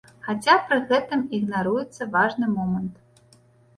Хаця пры гэтым ігнаруецца важны момант.